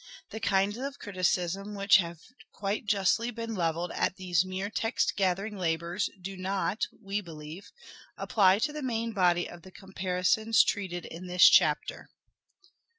The kind of criticicms which have quite justly been levelled at these mere text gathering labours do not, we believe, apply to the main body of the comparisons treated in this chapter.